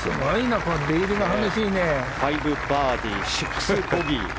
５バーディー、６ボギー。